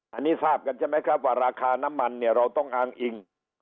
อันนี้ทราบกันใช่ไหมครับว่าราคาน้ำมันเนี่ยเราต้องอ้างอิง